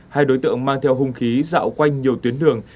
hai đối tượng mang theo hung khí dạo quanh nhiều tuyến đường